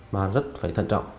mà rất phải thận trọng